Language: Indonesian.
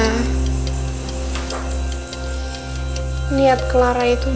aku bayar orang buat kejadiannya putri